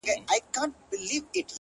ه بيا به دې څيښلي وي مالگينې اوبه”